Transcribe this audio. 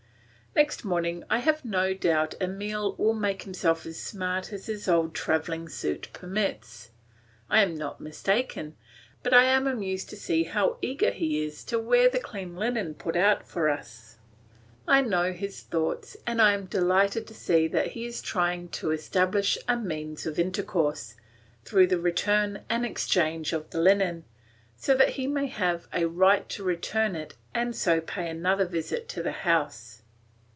Next morning I have no doubt Emile will make himself as smart as his old travelling suit permits. I am not mistaken; but I am amused to see how eager he is to wear the clean linen put out for us. I know his thoughts, and I am delighted to see that he is trying to establish a means of intercourse, through the return and exchange of the linen; so that he may have a right to return it and so pay another visit to the house.